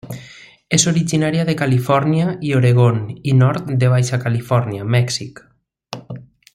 És originària de Califòrnia i Oregon i nord de Baixa Califòrnia, Mèxic.